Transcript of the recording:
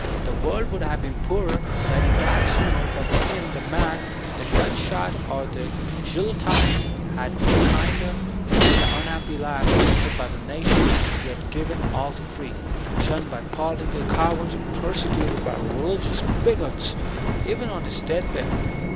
The world would have been poorer had he diea sooner ; but to htm, to the man, the gun shot or the guillotine had been kinder Thomas Paikb 13B3 than the unhappy life rejected by the nation he had given all to free, shunned by political cowards and persecuted by religious bigots,— even on his death bed.